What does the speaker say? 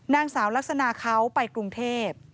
นางสาวลักษณะเขาไปกรุงเทพ